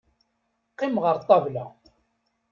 Qqim ɣer ṭṭabla.